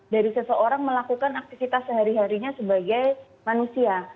dari seseorang melakukan aktivitas sehari harinya sebagai manusia